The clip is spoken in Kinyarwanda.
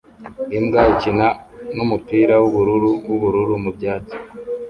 Imbwa ikina numupira wubururu wubururu mubyatsi